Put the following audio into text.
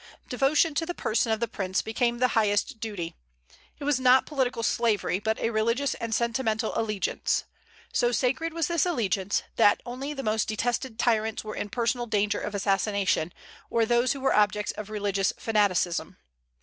Devotion to the person of the prince became the highest duty. It was not political slavery, but a religious and sentimental allegiance. So sacred was this allegiance, that only the most detested tyrants were in personal danger of assassination, or those who were objects of religious fanaticism.